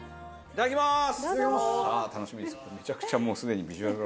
いただきます。